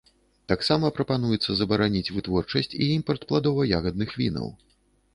Таксама прапануецца забараніць вытворчасць і імпарт пладова-ягадных вінаў.